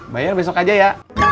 bayar besok aja ya